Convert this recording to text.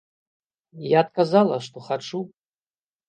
Я адказала, што хачу.